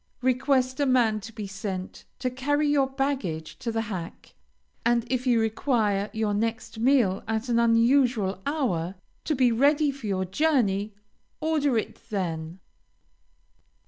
Request a man to be sent, to carry your baggage to the hack; and if you require your next meal at an unusual hour, to be ready for your journey, order it then.